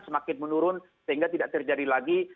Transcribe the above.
semakin menurun sehingga tidak terjadi lagi